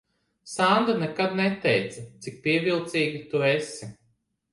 Sanda nekad neteica, cik pievilcīga tu esi.